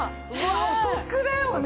お得だよね！